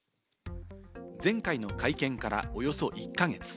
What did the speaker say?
前回の会見からおよそ１か月。